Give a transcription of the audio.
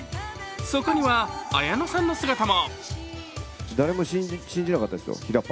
そこには綾野さんの姿も。